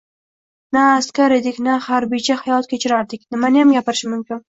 Na askar edik, na harbiycha hayot kechirardik nimaniyam gapirish mumkin